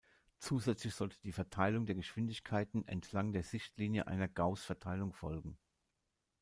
Zusätzlich sollte die Verteilung der Geschwindigkeiten entlang der Sichtlinie einer Gaußverteilung folgen.